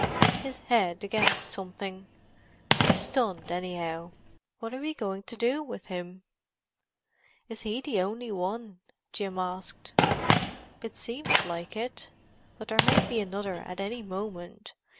"Hit his head against something. He's stunned, anyhow. What are we going to do with him?" "Is he the only one?" Jim asked. "It seems like it. But there may be another at any moment.